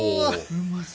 うまそう。